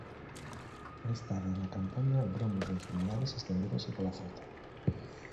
Máis tarde na campaña gromos de enfermidades estendéronse pola frota.